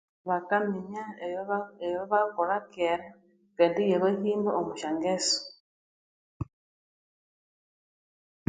Bakaminya ebyabakolha kera Kandi ibyabahimba omusyangesu